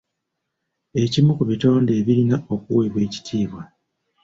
Ekimu ku bitonde ebirina okuweebwa ekitiibwa.